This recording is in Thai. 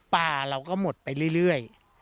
ปลาเราก็หมดไปเรื่อย